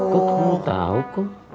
kok kamu tau kok